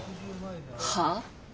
はあ？